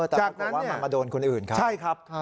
แต่คุณคิดว่าเดินคั้นอื่นครับ